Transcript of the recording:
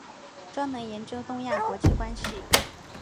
专门研究东亚国际关系。